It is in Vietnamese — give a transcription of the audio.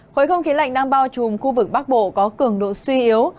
khối không khí lạnh đang bao trùm khu vực bắc bộ có cường độ suy yếu